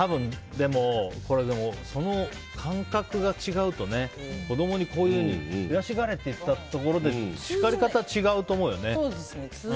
でも、その感覚が違うと子供に悔しがれ！って言ったところで叱り方は違うと思うよね。